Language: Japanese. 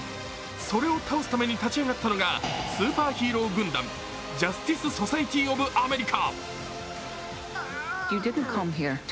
それを倒すために立ち上がったのがスーパーヒーロー軍団、ジャスティス・ソサエティ・オブ・アメリカ。